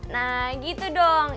nah gitu dong